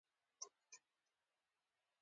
پلار د رڼا مشعل دی.